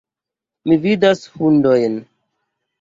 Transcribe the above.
Mi vidas hundojn.